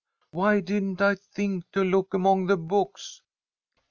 Why didn't I think to look among the books?"